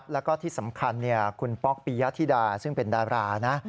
แล้วก็ที่สำคัญคุณป๊อกปียะธิดาซึ่งเป็นดารานะ